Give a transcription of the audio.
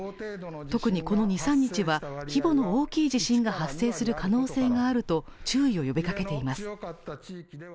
特にこの二、三日は規模の大きい地震が発生する可能性があると注意を呼び掛けています。